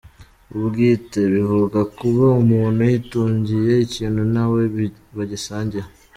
Ubwiîte : bivuga kuba umuntu yitungiye ikintu nta we bagisangiye.